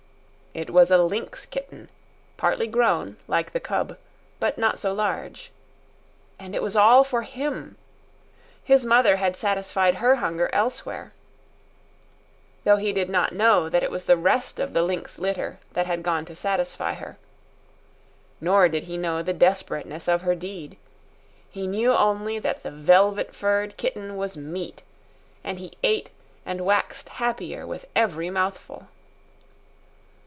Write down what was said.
It was a lynx kitten, partly grown, like the cub, but not so large. And it was all for him. His mother had satisfied her hunger elsewhere; though he did not know that it was the rest of the lynx litter that had gone to satisfy her. Nor did he know the desperateness of her deed. He knew only that the velvet furred kitten was meat, and he ate and waxed happier with every mouthful.